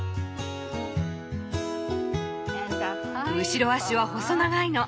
後ろ足は細長いの。